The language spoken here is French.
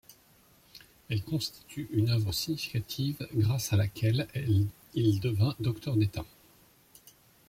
Elle constitue une œuvre significative grâce à laquelle il devint docteur d'État.